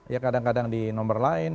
ya kadang kadang di nomor lain